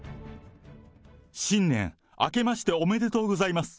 新年明けましておめでとうございます。